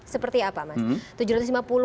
seperti apa mas